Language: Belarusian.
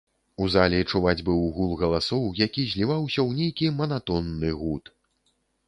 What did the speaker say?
З залі чуваць быў гул галасоў, які зліваўся ў нейкі манатонны гуд.